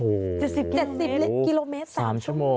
โอ้โห๗๐กิโลเมตร๓ชั่วโมง